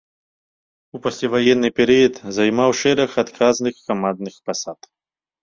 У пасляваенны перыяд займаў шэраг адказных камандных пасад.